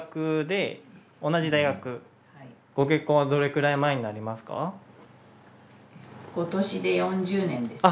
ご結婚はどれくらい前になりますか？